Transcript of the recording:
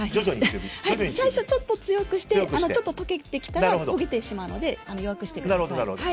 最初、ちょっと強くしてとけてきたら焦げてしまうので弱くしてください。